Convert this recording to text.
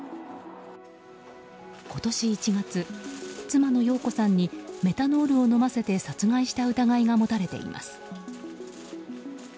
今年１月、妻の容子さんにメタノールを飲ませて殺害した疑いが持たれています。